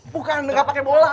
bukan gak pakai bola